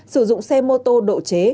sử dụng xe mô tô độ chế